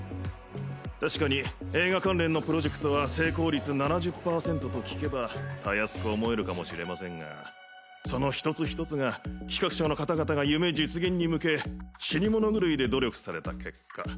確かに映画関連のプロジェクトは成功率７０％と聞けばたやすく思えるかもしれませんがその一つ一つが企画者の方々が夢実現に向け死に物狂いで努力された結果。